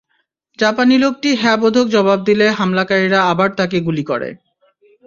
জাপানি লোকটি হ্যাঁ বোধক জবাব দিলে হামলাকারীরা আবার তাঁকে গুলি করে।